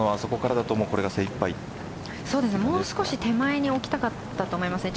もう少し手前に置きたかったと思いますね。